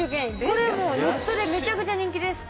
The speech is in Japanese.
これもうネットでめちゃくちゃ人気です。